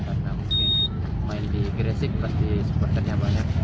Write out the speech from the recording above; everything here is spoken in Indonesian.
karena mungkin main di gresik pasti supporternya banyak